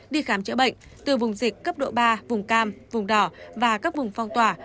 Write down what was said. đi khám chữa bệnh từ vùng dịch cấp độ ba vùng cam vùng đỏ và các vùng phong tỏa